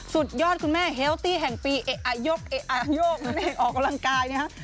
สุดยอดคุณแม่แฮลที่แห่งปีเอ๊ะอะโย๊กเอ๊ะอะโย๊กออกกำลังกายนี่ฮะ